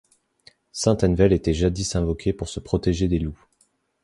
Saint Envel était jadis invoqué pour se protéger des loups.